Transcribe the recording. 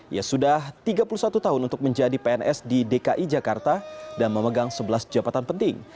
ia sudah tiga puluh satu tahun untuk menjadi pns di dki jakarta dan memegang sebelas jabatan penting